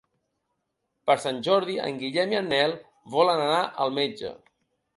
Per Sant Jordi en Guillem i en Nel volen anar al metge.